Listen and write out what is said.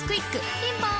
ピンポーン